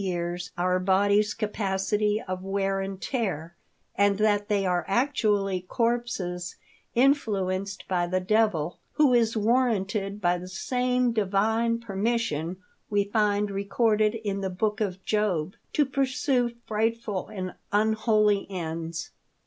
years our bodies' capacity of wear and tear ; and that they are actually corpses influenced by the Devil — who is warranted by the same Divine permission we find recorded in the Book of Job, to pursue frightful and unholy ends